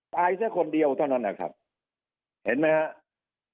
ตายเสียคนเดียวเท่านั้นนะครับเห็นไหมฮะ